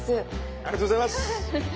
ありがとうございます！